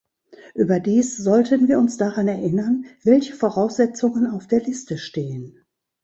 Überdies sollten wir uns daran erinnern, welche Voraussetzungen auf der Liste stehen.